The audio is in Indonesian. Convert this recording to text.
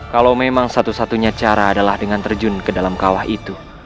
kalau memang satu satunya cara adalah dengan terjun ke dalam kawah itu